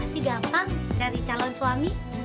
pasti gampang cari calon suami